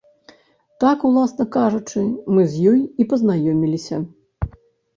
Так, уласна кажучы, мы з ёй і пазнаёміліся.